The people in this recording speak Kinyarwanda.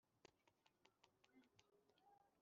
uburanga n’uburere byawe